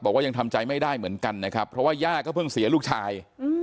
ยังทำใจไม่ได้เหมือนกันนะครับเพราะว่าย่าก็เพิ่งเสียลูกชาย